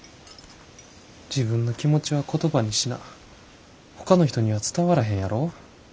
自分の気持ちは言葉にしなほかの人には伝わらへんやろ？